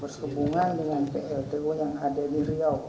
berhubungan dengan pltu yang ada di riau